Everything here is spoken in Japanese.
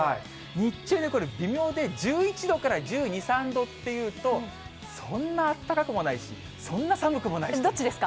日中、これ微妙で、１１度から１２、３度っていうと、そんなあったかくもないし、そんな寒くどっちですか？